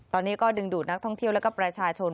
ตอนนี้ก็ดึงดูดนักท่องเที่ยวและก็ประชาชน